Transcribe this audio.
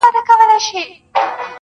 موږ د یوه بل د روح مخونه یو پر هره دنیا~